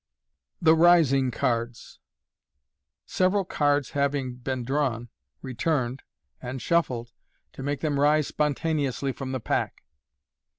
Thb Rising Cards (La Hou/etteJ. — Several Cards having BEEN DRAWN, RETURNED, AND SHUFFLED, TO MAKE THEM RISE spontaneously from the Pack.